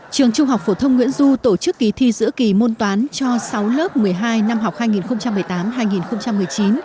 trường trung học phổ thông nguyễn du tổ chức kỳ thi giữa kỳ môn toán cho sáu lớp một mươi hai năm học hai nghìn một mươi tám hai nghìn một mươi chín